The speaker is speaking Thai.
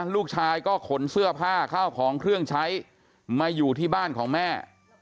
ลูกชายก็ขนเสื้อผ้าข้าวของเครื่องใช้มาอยู่ที่บ้านของแม่